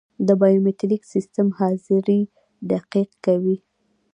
د بایومتریک سیستم حاضري دقیق کوي